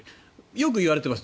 よく言われています。